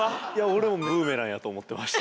俺もブーメランやと思ってました。